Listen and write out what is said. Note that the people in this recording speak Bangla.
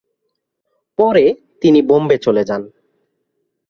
পরে তিনি বোম্বে চলে যান।